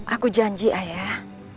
aku janji ayah